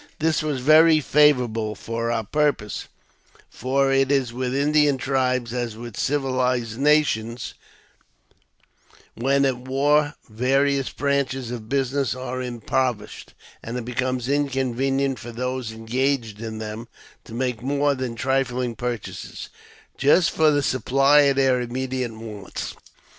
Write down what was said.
This was very favourable for our pur pose ; for it is with Indian tribes as with civilized nations, when at war, various branches of business are impoverished,, and it becomes inconvenient for those engaged in them tc make more than trifling purchases, just for the supply of their immediate wants.